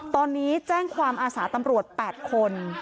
ตอนนี้แจ้งความอาสาตำรวจ๘คน